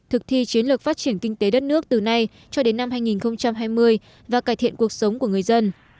thực thi chiến lược phát triển kinh tế đất nước từ nay cho đến năm hai nghìn hai mươi và cải thiện cuộc sống của người dân